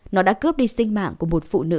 nó đã cướp đi sinh mạng của một phụ nữ